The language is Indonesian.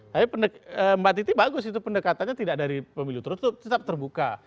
tapi mbak titi bagus itu pendekatannya tidak dari pemilu tertutup tetap terbuka